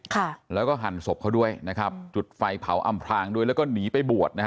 ค่ะแล้วก็หั่นศพเขาด้วยนะครับจุดไฟเผาอำพลางด้วยแล้วก็หนีไปบวชนะฮะ